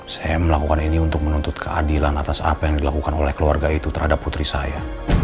saya melakukan ini untuk menuntut keadilan atas apa yang dilakukan oleh keluarga itu terhadap putri saya